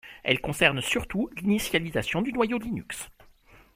Elles concernent surtout l'initialisation du noyau Linux.